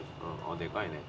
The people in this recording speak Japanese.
でかいね。